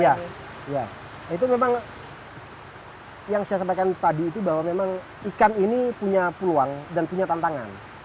ya itu memang yang saya sampaikan tadi itu bahwa memang ikan ini punya peluang dan punya tantangan